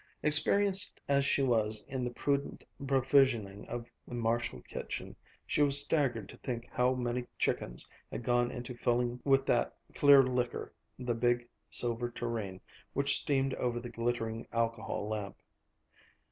Experienced as she was in the prudent provisioning of the Marshall kitchen she was staggered to think how many chickens had gone into filling with that clear liquor the big silver tureen which steamed over the glittering alcohol lamp.